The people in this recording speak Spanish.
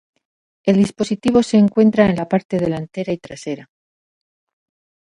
El dispositivo se encuentra en la parte delantera y trasera.